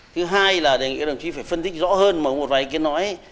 thứ hai là đề nghị các đồng chí phải phân tích rõ hơn một vài ý kiến nói